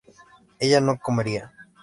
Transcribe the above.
ella no comería